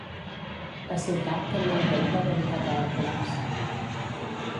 La ciutat tenia un temple dedicat a Hèrcules.